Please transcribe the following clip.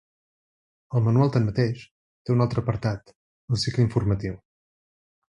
El manual, tanmateix, té un altre apartat: el cicle informatiu.